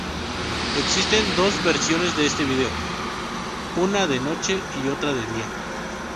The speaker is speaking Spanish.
Existen dos versiones de este vídeo, una de noche y otra de día.